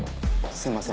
すいません。